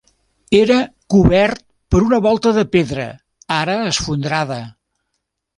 Era cobert per una volta de pedra ara esfondrada.